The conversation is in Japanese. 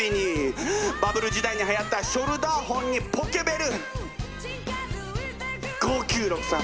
バブル時代にはやったショルダーフォンにポケベル５９６３